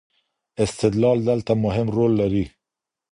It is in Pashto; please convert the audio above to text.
استدلال دلته مهم رول لري.